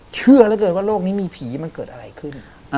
เชื่อเหลือเกินว่าโลกนี้มีผีมันเกิดอะไรขึ้น